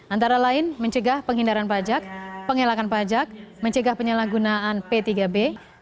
antara lain mencegah penghindaran pajak pengelakan pajak mencegah penyalahgunaan p tiga b